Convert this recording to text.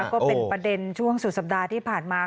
ก็เป็นประเด็นช่วงสุดสัปดาห์ที่ผ่านมา